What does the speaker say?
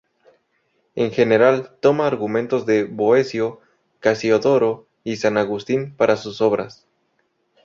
En general toma argumentos de Boecio, Casiodoro y San Agustín para sus obras.